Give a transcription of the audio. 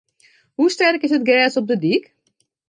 Hoe sterk is it gjers op de dyk?